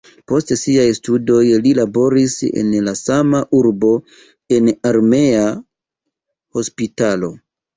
Post siaj studoj li laboris en la sama urbo en armea hospitalo.